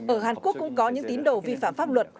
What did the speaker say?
ở hàn quốc cũng có những tín đồ vi phạm pháp luật